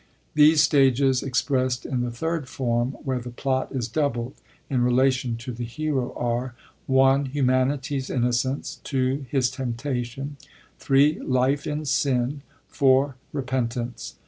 These stages exprest in the third form, where the plot is doubled, in relation to the hero, are : 1. Humanity's Innocence; 2. His Temptation; 3. lif e in Sin ; 4. Repent ance.